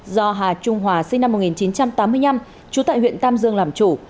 do hà trung hòa sinh năm một nghìn chín trăm tám mươi năm trú tại huyện tam dương làm chủ